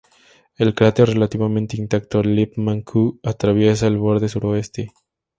El cráter relativamente intacto "Lippmann Q" atraviesa el borde suroeste.